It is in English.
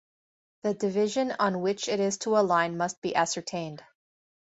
The division on which it is to align must be ascertained.